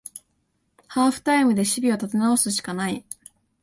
ハーフタイムで守備を立て直すしかない